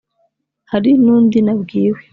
Hari n’undi nabwiwe